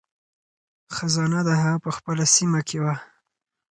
خزانه د هغه په خپله سیمه کې وه.